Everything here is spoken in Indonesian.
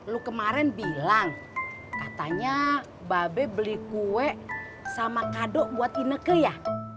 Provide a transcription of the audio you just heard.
lu kemarin bilang katanya babe beli kue sama kado buat ineke ya